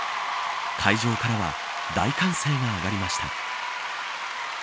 会場からは大歓声が上がりました。